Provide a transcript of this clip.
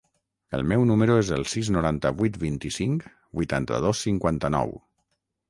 El meu número es el sis, noranta-vuit, vint-i-cinc, vuitanta-dos, cinquanta-nou.